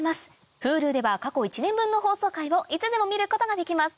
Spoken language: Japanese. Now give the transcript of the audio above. Ｈｕｌｕでは過去１年分の放送回をいつでも見ることができます